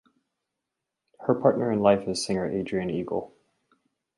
Her partner in life is singer Adrian Eagle.